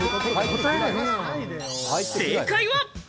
正解は。